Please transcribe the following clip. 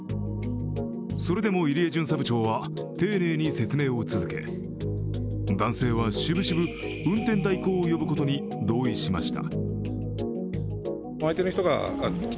それでも入江巡査部長は、丁寧に説明を続け、男性はしぶしぶ、運転代行を呼ぶことに同意しました。